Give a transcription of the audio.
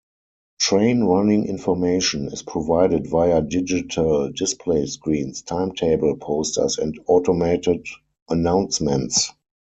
Train running information is provided via digital display screens, timetable posters and automated announcements.